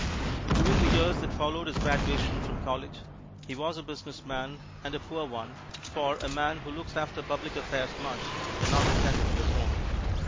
During the years that followed his graduation from college he was a businessman and a poor one, for a man who looks after public affairs much can not attend to his own.